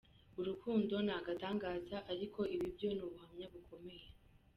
Urukundo ni agatangaza ariko ibi byo ni ubuhamya bukomeye.